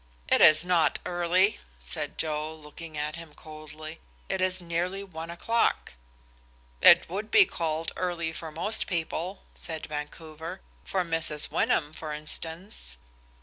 "It is not early," said Joe, looking at him coldly, "it is nearly one o'clock." "It would be called early for most people," said Vancouver; "for Mrs. Wyndham, for instance."